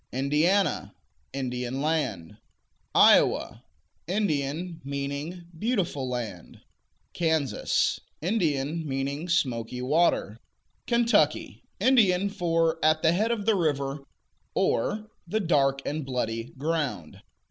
Indiana Indian land. Iowa Indian; meaning "beautiful land.'" Kansas Indian; meaning "smoky water." Kentucky Indian for "at the head of the river," or "the dark and bloody ground."